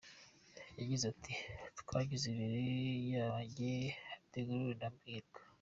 Yagize ati “Twagizwe abere yaba njye, De Gaulle na Muhirwa.